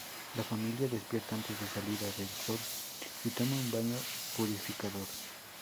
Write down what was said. La familia despierta antes de salida del sol y toma un baño purificador.